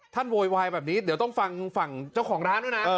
โวยวายแบบนี้เดี๋ยวต้องฟังฝั่งเจ้าของร้านด้วยนะ